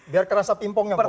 biar kerasa timpongnya pak